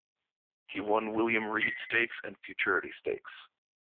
He won William Reid Stakes and Futurity Stakes.